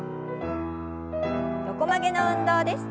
横曲げの運動です。